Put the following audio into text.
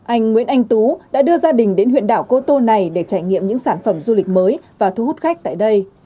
anh nguyễn anh tú đã đưa gia đình đến huyện đảo cô tô này để trải nghiệm những sản phẩm du lịch mới và thu hút khách tại đây